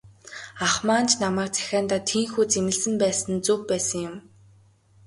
Ах маань ч намайг захиандаа тийнхүү зэмлэсэн байсан нь зөв байсан юм.